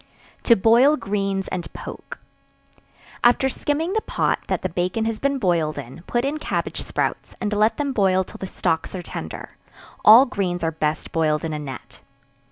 To Boil Greens and Poke. After skimming the pot that the bacon has been boiled in, put in cabbage sprouts, and let them boil till the stalks are tender; all greens are best boiled in a net.